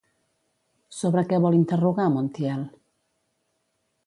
Sobre què vol interrogar Montiel?